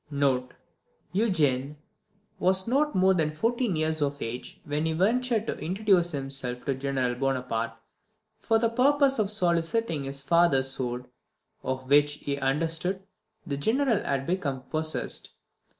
["Eugene was not more than fourteen years of age when he ventured to introduce himself to General Bonaparte, for the purpose of soliciting his father's sword, of which he understood the General had become possessed.